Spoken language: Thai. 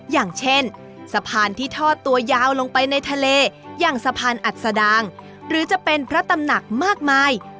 อย่างเช่นสะพานที่ทอดตัวยาวลงไปในทะเลอย่างสะพานอัศดางหรือจะเป็นพระตำหนักมากมาย